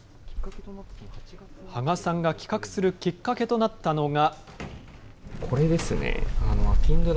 芳賀さんが企画するきっかけとなったのが。